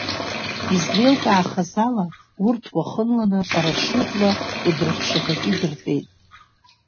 Излеилкаахаз ала, урҭ уахынланы парашиутла Кәыдры аԥшаҳәаҿы идыртәеит.